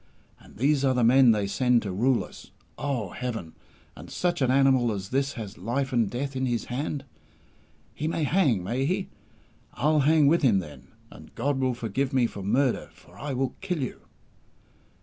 And these are the men they send to rule us! Oh, Heaven! And such an animal as this has life and death in his hand! He may hang, may he? I'll hang with him, then, and God will forgive me for murder, for I will kill you!"